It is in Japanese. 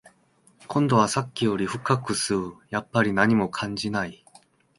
今度はさっきよりも深く吸う、やっぱり何も感じない